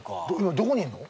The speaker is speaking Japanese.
今どこにいんの？